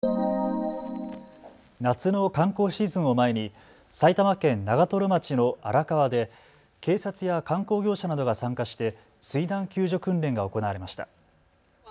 夏の観光シーズンを前に埼玉県長瀞町の荒川で警察や観光業者などが参加して水難救助訓練が行われました。